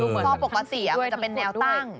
ซอปกประสิทธิ์มันจะเป็นแนวตั้ง